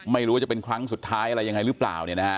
ไม่รู้ว่าจะเป็นครั้งสุดท้ายอะไรยังไงหรือเปล่า